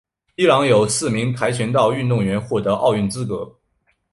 伊朗有四名跆拳道运动员获得奥运资格。